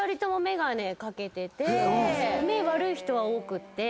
目悪い人は多くて。